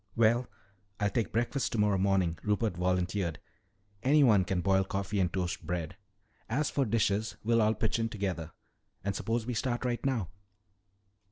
"Well, I'll take breakfast tomorrow morning," Rupert volunteered. "Anyone can boil coffee and toast bread. As for dishes, we'll all pitch in together. And suppose we start right now."